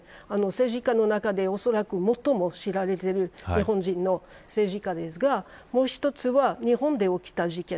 政治家の中で、おそらく最も知られている日本人の政治家ですがもう１つは日本で起きた事件。